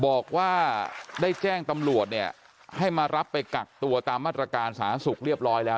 บอกว่าได้แจ้งตำรวจให้มารับไปกักตัวตามอัตรการสหรัฐศึกษ์เรียบร้อยแล้ว